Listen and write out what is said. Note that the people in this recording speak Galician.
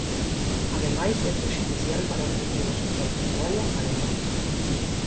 Ademais, é prexudicial para o futuro do sector portuario galego.